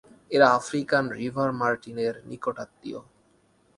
এরা African river martin এর নিকটাত্মীয়।